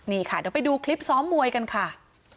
นี่ค่ะเดี๋ยวไปดูคลิปซ้อมมวยกันค่ะ